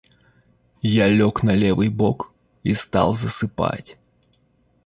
Я лег на левый бок и стал засыпать.